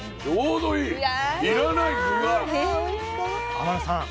天野さん